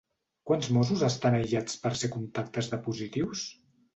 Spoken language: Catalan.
Quants mossos estan aïllats per ser contactes de positius?